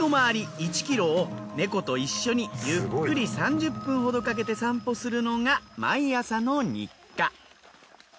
１ｋｍをネコと一緒にゆっくり３０分ほどかけて散歩するのが毎朝の日課。